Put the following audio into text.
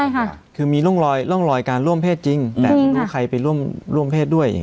ใช่ค่ะคือมีร่องรอยร่องรอยการร่วมเพศจริงแต่ไม่รู้ใครไปร่วมร่วมเพศด้วย